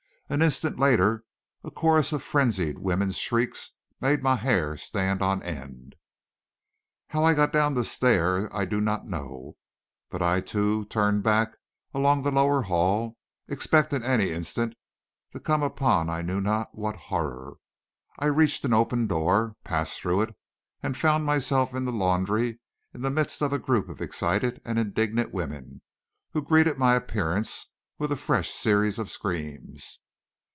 An instant later, a chorus of frenzied women's shrieks made my hair stand on end. How I got down the stair I do not know; but I, too, turned back along the lower hall, expecting any instant to come upon I knew not what horror; I reached an open door, passed through it, and found myself in the laundry, in the midst of a group of excited and indignant women, who greeted my appearance with a fresh series of screams.